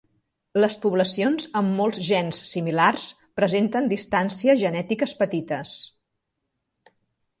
Les poblacions amb molts gens similars presenten distàncies genètiques petites.